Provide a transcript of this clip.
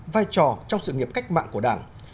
vai trò trong sự nghiệp cách mạng của đảng